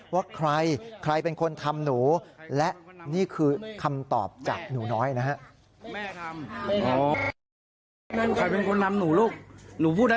ว่าใครใครเป็นคนทำหนูและนี่คือคำตอบจากหนูน้อยนะฮะ